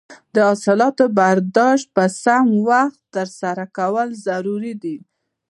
د حاصلاتو برداشت په سم وخت ترسره کول ضروري دي.